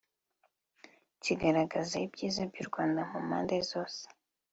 kigaragaza ibyiza by’u Rwanda mu mpande zose